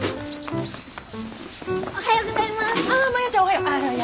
おはようございます。